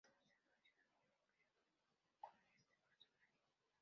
Doce anuncios fueron creados con este personaje.